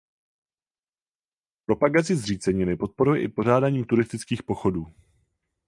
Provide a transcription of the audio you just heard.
Propagaci zříceniny podporuje i pořádáním turistických pochodů.